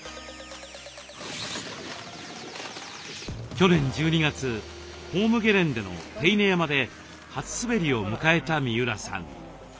去年１２月ホームゲレンデの手稲山で初滑りを迎えた三浦さん。